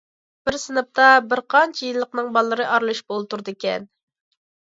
بىر سىنىپتا بىر قانچە يىللىقنىڭ بالىلىرى ئارىلىشىپ ئولتۇرىدىكەن.